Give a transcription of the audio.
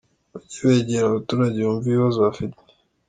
Bajye begera abaturage, bumve ibibazo bafite.